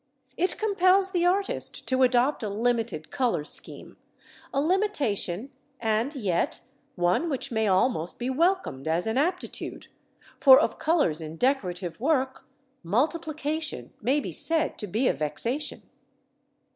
It compels the artist to adopt a limited colour scheme a limitation, and yet one which may almost be welcomed as an aptitude, for of colours in decorative work multiplication may be said to be a vexation.